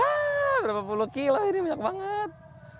hah berapa puluh kilo ini banyak banget